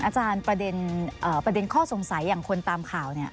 อาจารย์ประเด็นข้อสงสัยอย่างคนตามข่าว